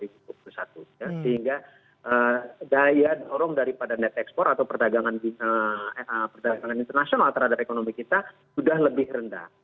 sehingga daya dorong daripada net export atau perdagangan internasional terhadap ekonomi kita sudah lebih rendah